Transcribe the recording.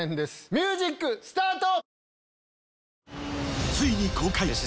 ミュージックスタート！